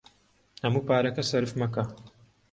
هەموو پارەکە سەرف مەکە.